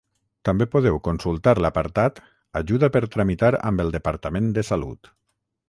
També podeu consultar l'apartat Ajuda per tramitar amb el Departament de Salut.